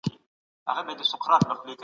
عزتمن ژوند د هر انسان لویه هیله ده.